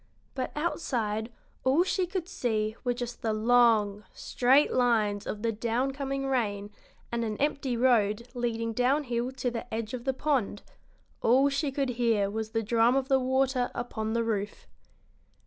But outside all she could see were just the long, straight lines of the down coming rain and an empty road leading downhill to the edge of the pond; all she could hear was the drum of the water upon the roof.